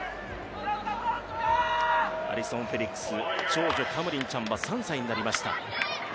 アリソン・フェリックス、長女カムリンちゃんは３歳になりました。